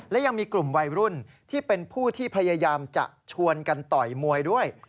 และยังมีกลุ่มวัยรุ่นที่เป็นผู้ที่พยายามจะชวนกันต่อยมวยด้วย